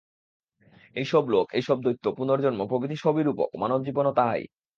এইসব লোক, এইসব দৈত্য, পুনর্জন্ম প্রভৃতি সবই রূপক, মানবজীবনও তাহাই।